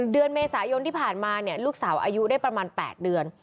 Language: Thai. เดือนเมษายนที่ผ่านมาลูกสาวอายุได้ประมาณ๘เดือน